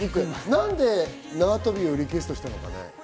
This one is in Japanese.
何で縄跳びをリクエストしたのかね。